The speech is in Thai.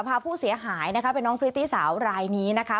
พาผู้เสียหายนะคะเป็นน้องพริตตี้สาวรายนี้นะคะ